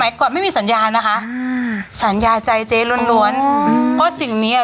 สมัยก่อนไม่มีสัญญานะคะอืมสัญญาใจเจ๊ล้วนเพราะสิ่งนี้อ่ะ